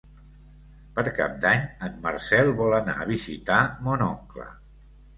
Per Cap d'Any en Marcel vol anar a visitar mon oncle.